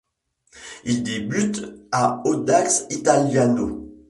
Il débute à Audax Italiano.